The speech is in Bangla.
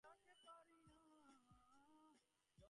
বলিয়া সে পাশের ঘরে গিয়া দ্বার রোধ করিল।